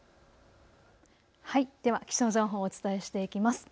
では気象情報をお伝えしていきます。